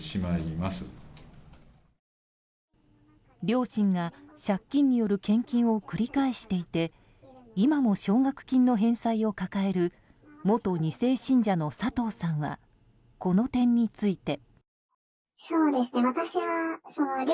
両親が借金による献金を繰り返していて今も奨学金の返済を抱える元２世信者の佐藤さんはこの点について。